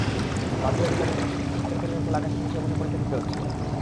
বাধ্য হয়ে বিদ্যালয়টির শিশু শিক্ষার্থীদের খোলা আকাশের নিচে বসে পরীক্ষা দিতে হচ্ছে।